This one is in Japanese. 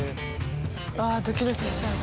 うわあドキドキしちゃうな。